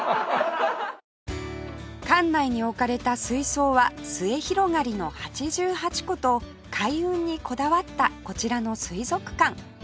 館内に置かれた水槽は末広がりの８８個と開運にこだわったこちらの水族館